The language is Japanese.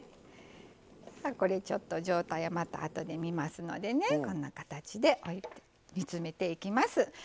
ちょっと状態をあとで見ますのでこんな形で煮詰めていきます。